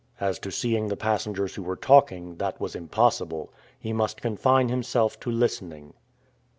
As to seeing the passengers who were talking, that was impossible. He must confine himself to listening.